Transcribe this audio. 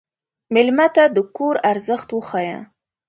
مېلمه ته د کور ارزښت وښیه.